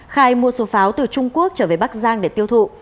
khai mua số pháo từ trung quốc trở về bắc giang để tiêu thụ